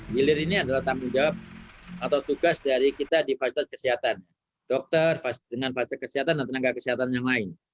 hilir ini adalah tanggung jawab atau tugas dari kita di fasilitas kesehatan dokter dengan fasilitas kesehatan dan tenaga kesehatan yang lain